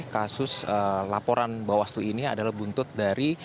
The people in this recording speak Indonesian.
kasus laporan bawaslu ini adalah buntut dari